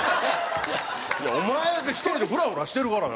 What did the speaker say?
「お前だけ１人でフラフラしてるからよ」